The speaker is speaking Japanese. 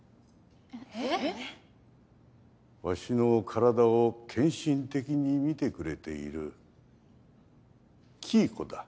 えっ⁉わしの体を献身的に見てくれている黄以子だ。